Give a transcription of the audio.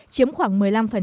chiếm khoảng một mươi năm